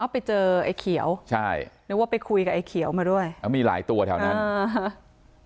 ไปเจอไอ้เขียวใช่นึกว่าไปคุยกับไอ้เขียวมาด้วยแล้วมีหลายตัวแถวนั้นอ่าฮะ